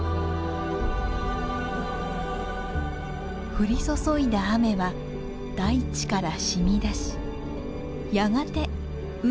降り注いだ雨は大地からしみだしやがて海にたどりつきます。